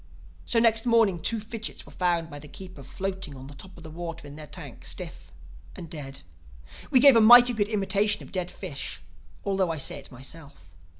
"So next morning two fidgits were found by the keeper floating on the top of the water in their tank, stiff and dead. We gave a mighty good imitation of dead fish—although I say it myself.